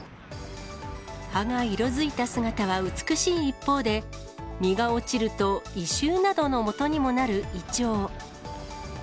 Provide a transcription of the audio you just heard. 葉が色づいた姿は美しい一方で、実が落ちると異臭などのもとにもなるイチョウ。